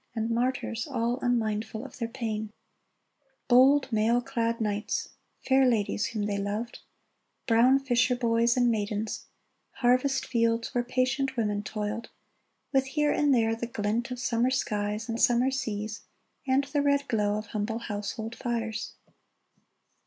And martyrs all unmindful of their pain ; Bold, mail clad knights ; fair ladyes whom they loved ; Brown fisher boys and maidens ; harvest fields, Where patient women toiled ; with here and there The glint of summer skies and summer seas, And the red glow of humble, household fires